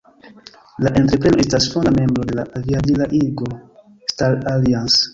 La entrepreno estas fonda membro de la aviadila ligo "Star Alliance".